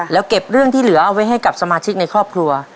แล้วเก็บเรื่องที่เหลือเอาไว้ให้กับสมาชิกในครอบครัว